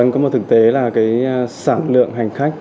có một thực tế là sản lượng hành khách